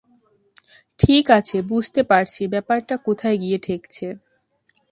ঠিক আছে, বুঝতে পারছি ব্যাপারটা কোথায় গিয়ে ঠেকছে।